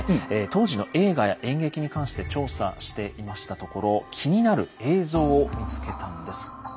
当時の映画や演劇に関して調査していましたところ気になる映像を見つけたんです。